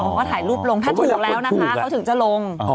ว่าถ่ายรูปลงถ้าถูกแล้วนะคะเขาถึงจะลง